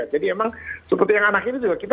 jadi memang seperti yang anak ini juga kita